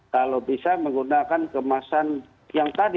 kalau bisa menggunakan kemasan yang tadi